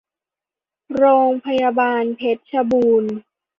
โรงพยาบาลเพชรบูรณ์